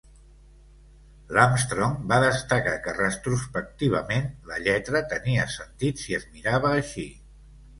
L'Armstrong va destacar que, retrospectivament, la lletra tenia sentit si es mirava així.